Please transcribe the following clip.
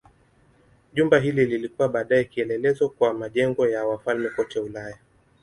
Jumba hili lilikuwa baadaye kielelezo kwa majengo ya wafalme kote Ulaya.